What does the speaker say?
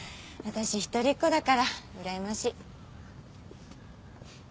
私一人っ子だからうらやましい。